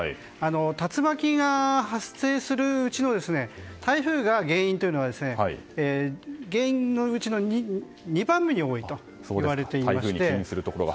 竜巻が発生するうちの台風が原因というのは原因のうちの２番目に多いといわれていまして。